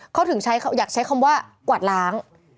เขาถึงอยากใช้คำว่ากวาดล้าง